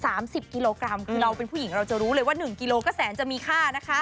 สามสิบกิโลกรัมคือเราเป็นผู้หญิงเราจะรู้เลยว่าหนึ่งกิโลก็แสนจะมีค่านะคะ